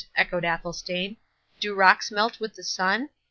echoed Athelstane.—"Do rocks melt with the sun?